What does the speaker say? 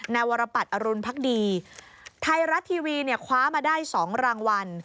วรปัตรอรุณพักดีไทยรัฐทีวีเนี่ยคว้ามาได้๒รางวัล